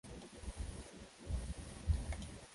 Anachukua nafasi ya Iddi Hassan Kimante ambaye amestaafu